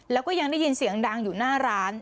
แล้วก็ยังได้ยินเสียงดังอยู่หน้าร้าน